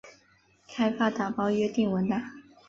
开放打包约定文档。